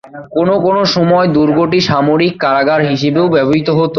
কোনো কোনো সময়ে দুর্গটি সামরিক কারাগার হিসেবেও ব্যবহৃত হতো।